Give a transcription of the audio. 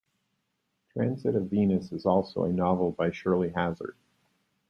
"Transit of Venus" is also a novel by Shirley Hazzard.